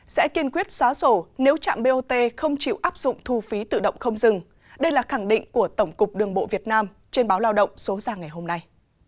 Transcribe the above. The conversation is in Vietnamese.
sẽ kiên quyết xóa sổ nếu trạm bot không chịu áp dụng thu phí tự động không dừng đây là khẳng định của tổng cục đường bộ việt nam trên báo lao động số ra ngày hôm nay